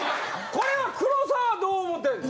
これは黒沢はどう思ってんの？